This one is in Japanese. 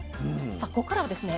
さあこっからはですね